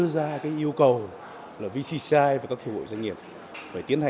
mà còn quan trọng là cơ chế kiểm soát